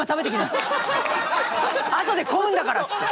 「あとで混むんだから」っつって。